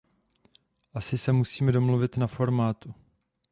Asi se musíme domluvit na formátu.